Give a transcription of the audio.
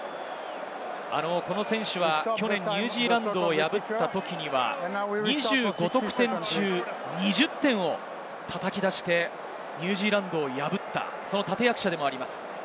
この選手は去年、ニュージーランドを破ったときには、２５得点中２０点を叩き出して、ニュージーランドを破った立役者でもあります。